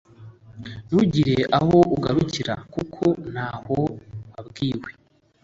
ntugira aho ugarukira kuko ntaho wabwiwe